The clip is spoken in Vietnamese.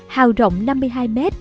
hào rộng năm mươi hai m